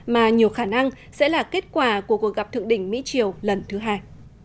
mà nhiều khả năng sẽ là kết quả của cuộc gặp thượng đỉnh mỹ triều lần thứ hai